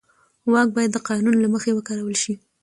واک باید د قانون له مخې وکارول شي.